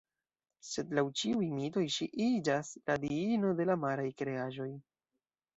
Sed laŭ ĉiuj mitoj ŝi iĝas la diino de la maraj kreaĵoj.